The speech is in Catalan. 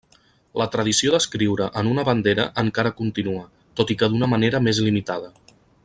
La tradició d'escriure en una bandera encara continua, tot i que d'una manera més limitada.